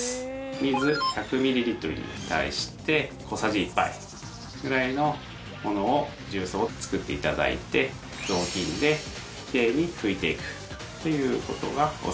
水１００ミリリットルに対して小さじ１杯ぐらいのものを重曹を作って頂いて雑巾できれいに拭いていくっていう事がオススメです。